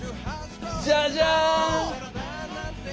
じゃじゃん！